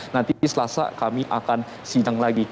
nanti selasa kami akan sidang lagi